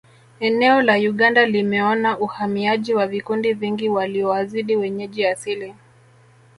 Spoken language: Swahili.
Eneo la Uganda limeona uhamiaji wa vikundi vingi waliowazidi wenyeji asili